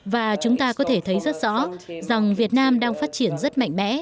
và chúng ta có thể thấy rất rõ rằng việt nam đang phát triển rất mạnh mẽ